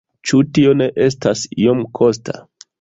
Ĉu tio ne estas iom kosta?